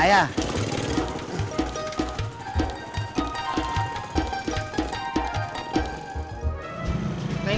saya juga pernah bang begitu